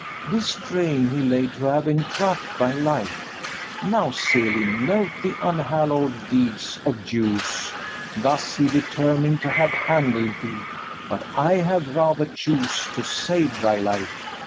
FERNEZE. This train he laid to have entrapp'd thy life; Now, Selim, note the unhallow'd deeds of Jews; Thus he determin'd to have handled thee, But I have rather chose to save thy life.